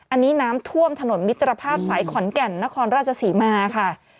อันนี้น้ำท่วมถนนมิตรภาพสายขอนแก่นนครราชศรีมาค่ะ